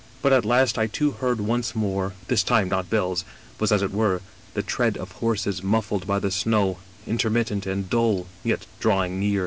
But at last I too heard once more, this time not bells, but as it were the tread of horses muffled by the snow, intermittent and dull, yet drawing nearer.